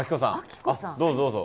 どうぞどうぞ。